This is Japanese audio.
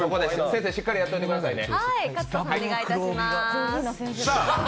先生、しっかりやっといてくださいね。